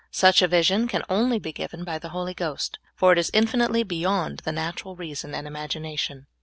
Such a vision can only be given by the Holy Ghost, for it is infinitely bej'ond the natural reason and imagination.